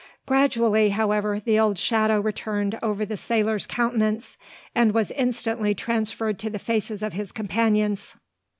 Gradually, however, the old shadow returned over the sailor's countenance, and was instantly transferred to the faces of his companions.